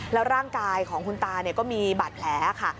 แล้วร่างกายของคุณตาก็มีบาดแผลค่ะ